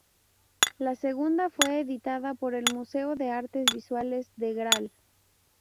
La segunda fue editada por el Museo de Artes Visuales de Gral.